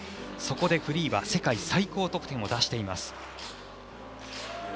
そこでフリーは世界最高得点を出しています。